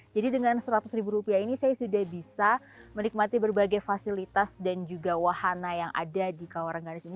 jadi dengan seratus ribu rupiah ini saya sudah bisa menikmati berbagai fasilitas dan juga wahana yang ada di kawah rengganis ini